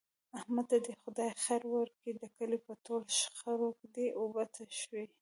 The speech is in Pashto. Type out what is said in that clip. احمد ته دې خدای خیر ورکړي د کلي په ټولو شخړو دی اوبه تشوي.